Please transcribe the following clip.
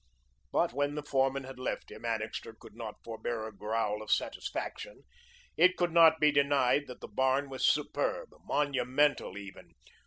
But when the foreman had left him, Annixter could not forbear a growl of satisfaction. It could not be denied that the barn was superb, monumental even.